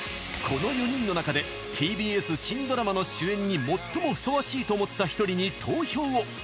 この４人の中でＴＢＳ新ドラマの主演に最もふさわしいと思った１人に投票を！